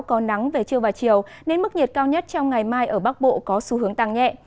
có nắng về trưa và chiều nên mức nhiệt cao nhất trong ngày mai ở bắc bộ có xu hướng tăng nhẹ